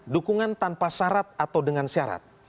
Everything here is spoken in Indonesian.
dukungan tanpa syarat atau dengan syarat